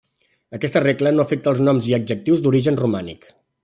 Aquesta regla no afecta els noms i adjectius d'origen romànic.